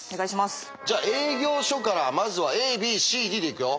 じゃあ営業所からまずはＡＢＣＤで行くよ。